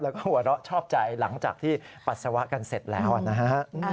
แล้วก็หัวเราะชอบใจหลังจากที่ปัสสาวะกันเสร็จแล้วนะฮะ